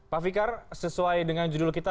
pak fikar sesuai dengan judul kita